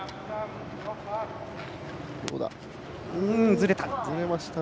ずれた。